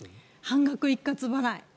半額一括払い。